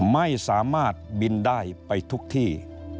ไม่สามารถบินได้ไปทุกที่